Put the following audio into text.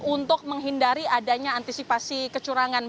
untuk menghindari adanya antisipasi kecurangan